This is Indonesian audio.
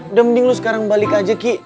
udah mending lu sekarang balik aja ki